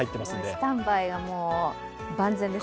スタンバイが万全ですね。